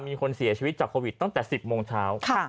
มีคนเสียชีวิตจากโควิดตั้งแต่๑๐โมงเช้า